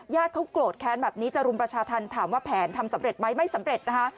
เขาโกรธแค้นแบบนี้จะรุมประชาธรรมถามว่าแผนทำสำเร็จไหมไม่สำเร็จนะคะ